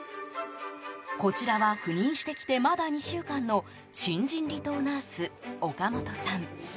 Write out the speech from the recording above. こちらは赴任してきてまだ２週間の新人離島ナース、岡本さん。